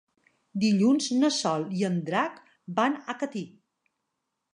Dilluns na Sol i en Drac van a Catí.